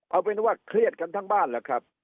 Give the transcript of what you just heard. เอาเป็นว่าเครียดกันทั้งบ้านแหละครับ